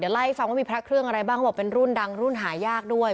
ไล่ฟังว่ามีพระเครื่องอะไรบ้างเขาบอกเป็นรุ่นดังรุ่นหายากด้วย